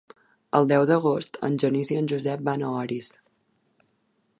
El deu d'agost en Genís i en Josep van a Orís.